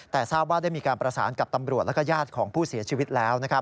แต่ทราบว่าได้มีการประสานกับตำรวจและญาติของผู้เสียชีวิตแล้ว